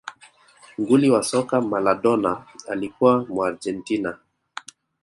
nguli wa soka maladona alikuwa muargentina